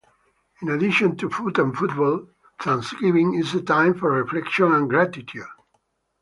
In addition to food and football, Thanksgiving is a time for reflection and gratitude.